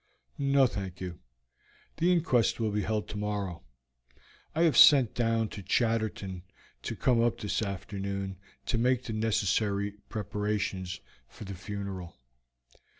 "No, thank you; the inquest will be held tomorrow. I have sent down to Chatterton to come up this afternoon to make the necessary preparations for the funeral.